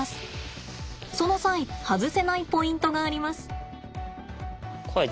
その際外せないポイントがあります。